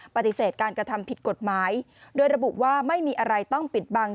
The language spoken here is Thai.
ปฏิเสธการกระทำผิดกฎหมายโดยระบุว่าไม่มีอะไรต้องปิดบัง